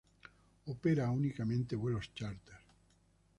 Opera únicamente vuelos chárter.